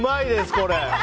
これ！